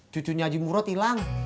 cucunya aji murad ilang